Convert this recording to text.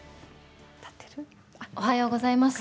おはようございます。